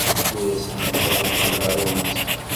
Ur asent-d-ttṛebbiɣ arraw-nsent.